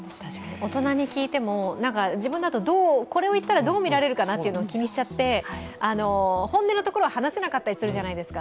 大人に聞いても、自分だとどう見られるかなと気にしちゃって本音のところは話せなかったりするじゃないですか。